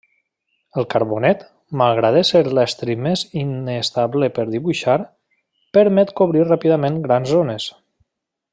El carbonet, malgrat ésser l'estri més inestable per dibuixar, permet cobrir ràpidament grans zones.